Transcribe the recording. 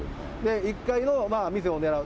１階の店を狙う。